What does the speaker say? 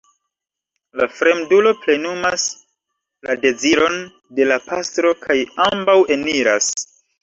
La fremdulo plenumas la deziron de la pastro kaj ambaŭ eniras.